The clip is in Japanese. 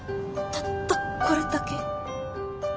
たったこれだけ？